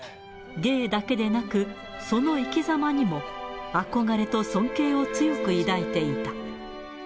芸だけでなく、その生きざまにも憧れと尊敬を強く抱いていた。